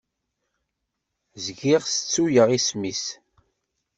Zgiɣ tettuyeɣ isem-is.